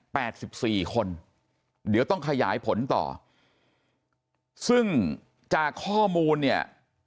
สิบสี่คนเดี๋ยวต้องขยายผลต่อซึ่งจากข้อมูลเนี่ย